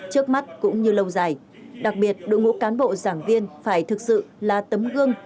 trước mắt cũng như lâu dài đặc biệt đội ngũ cán bộ giảng viên phải thực sự là tấm gương